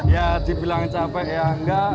ya dibilang capek ya enggak